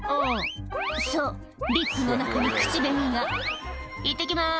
そうリップの中に口紅が「いってきます」